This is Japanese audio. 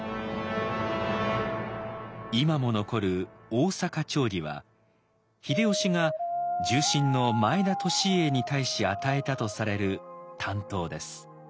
今も残る「大坂長義」は秀吉が重臣の前田利家に対し与えたとされる短刀です。